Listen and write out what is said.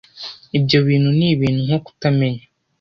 ibyo bintu ni ibintu nko kutamenya